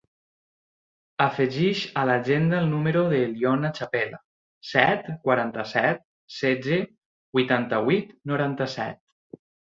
Afegeix a l'agenda el número de l'Iona Chapela: set, quaranta-set, setze, vuitanta-vuit, noranta-set.